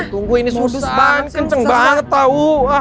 tunggu ini susah banget kenceng banget tau